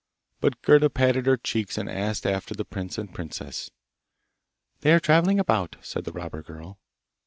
But Gerda patted her cheeks and asked after the prince and princess. 'They are travelling about,' said the robber girl.